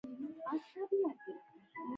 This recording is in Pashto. یوه ورځ د همدې ژېړي پر مهال په کټ کې پروت وم.